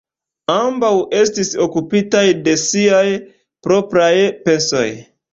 Ambaŭ estis okupitaj de siaj propraj pensoj.